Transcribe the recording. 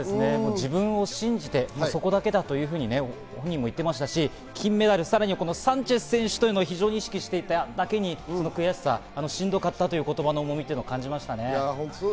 自分を信じて、そこだけだというふうにご本人も言っていましたし、金メダル、さらにサンチェス選手を意識していただけに、この悔しさしんどかったという言葉の重みを感じました。